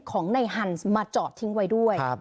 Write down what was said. ของในฮันส์มาจอดทิ้งไว้ด้วย